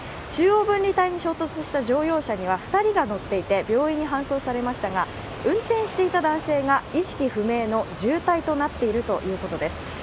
中央分離帯に衝突した乗用車には２人が乗っていて病院に搬送されましたが、運転していた男性が意識不明の重体となっているということです。